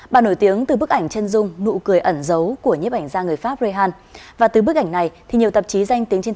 bà nổi tiếng từ bức ảnh chân dung